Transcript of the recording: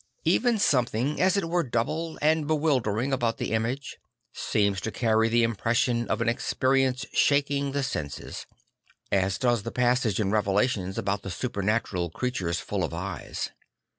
Even something as it were double and bewildering about the image seems to carry the impression of an experience shaking the senses; as does the passage in Revelations about the supernatural creatures full of eyes.